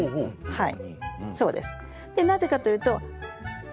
はい。